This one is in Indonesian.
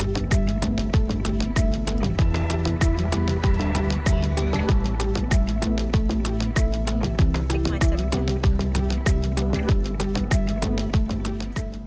ketik macem ya